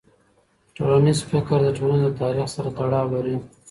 ټولنیز فکر د ټولنې له تاریخ سره تړاو لري.